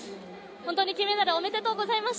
本当に金メダルおめでとうございます。